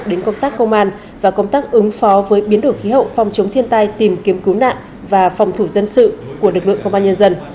đến công tác công an và công tác ứng phó với biến đổi khí hậu phòng chống thiên tai tìm kiếm cứu nạn và phòng thủ dân sự của lực lượng công an nhân dân